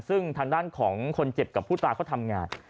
ซึ่งทางด้านของคนเจ็บกับผู้ตายเขาทำงาน